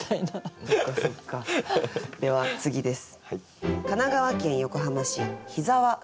では次です。